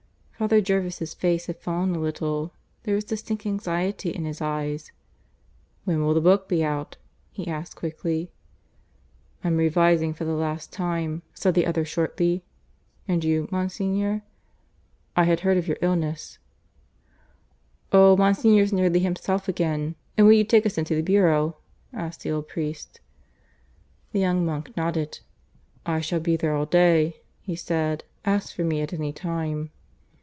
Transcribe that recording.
Father Jervis' face had fallen a little. There was distinct anxiety in his eyes. "When will the book be out?" he asked quickly. "I'm revising for the last time," said the other shortly. "And you, Monsignor? ... I had heard of your illness." "Oh, Monsignor's nearly himself again. And will you take us into the Bureau?" asked the old priest. The young monk nodded. "I shall be there all day," he said. "Ask for me at any time."